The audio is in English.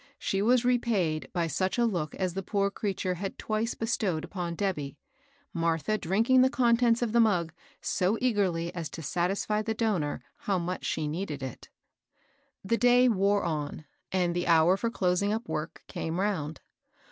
She was repaid by such a look as the poor creature had twice bestowed upon Debby, Martha drinking the contents of the mug so eagerly as to satisfy the donor how much she needed it. The day wore on, and the hour for closing up work came round.